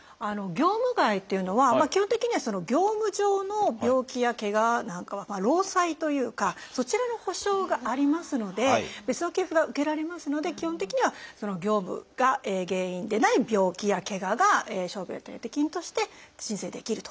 業務外というのは基本的には業務上の病気やけがなんかは労災というかそちらの補償がありますので別の給付が受けられますので基本的にはその業務が原因でない病気やけがが傷病手当金として申請できると。